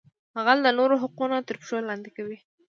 غل د نورو حقونه تر پښو لاندې کوي